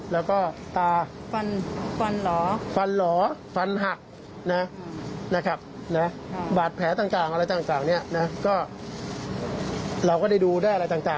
แล้วก็ไม่พบว่ามีการฟันหัดตามที่เป็นข่าวทางโซเชียลก็ไม่พบ